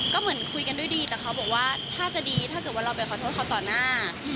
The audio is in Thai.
ก็เหมือนคุยกันด้วยดีแต่เขาบอกว่าถ้าจะดีถ้าเกิดว่าเราไปขอโทษเขาต่อหน้า